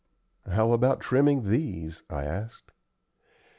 "How about trimming these?" I asked.